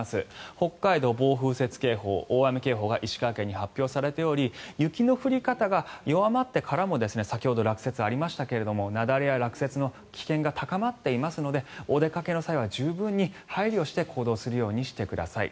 北海道、暴風雪警報大雨警報が石川県に発表されており雪の降り方が弱まってからも先ほど、落雪がありましたが雪崩や落雪の危険が高まっていますのでお出かけの際は十分に配慮して行動するようにしてください。